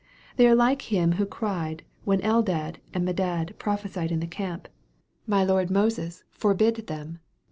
They are like him who cried when Eldad and Medad prophesied in the camp, "My Lord Moses forbid them."